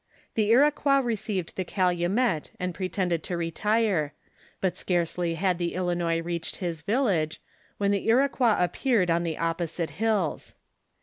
The Iro quois received the calumet and pretended to retire; but scarcely had the Ilinois reached his village, when the Iro quois appeared on the opposite hills.